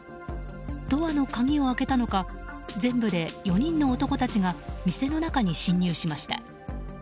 ドアの鍵を開けたのか全部で４人の男たちが店の中に侵入しました。